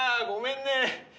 ごめんね。